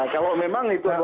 kalau memang itu adalah